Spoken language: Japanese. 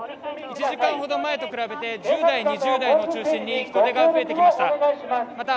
１時間ほど前に比べて、１０代、２０代を中心に人出が増えてきました。